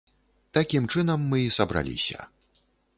Такім чынам мы і сабраліся.